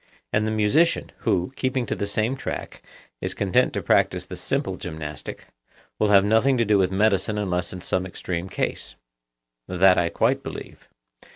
And the musician, who, keeping to the same track, is content to practise the simple gymnastic, will have nothing to do with medicine unless in some extreme case. That I quite believe.